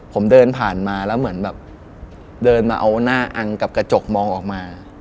ผมเดินผ่านมาแล้วเหมือนแบบเดินมาเอาหน้าอังกับกระจกมองออกมา